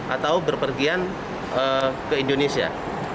atau berpergian ke indonesia